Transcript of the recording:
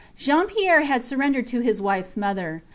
Jean Pierre had surrendered to his wifes mother.